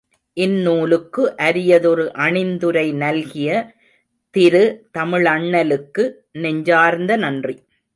இந்நூலுக்கு அரியதொரு அணிந்துரை நல்கிய திரு தமிழண்ணலுக்கு நெஞ்சார்ந்த நன்றி.